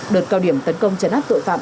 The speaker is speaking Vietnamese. đợt cao điểm tấn công trấn áp tội phạm